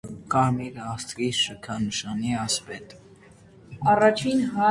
«Կարմիր աստղի» շքանշանի ասպետ։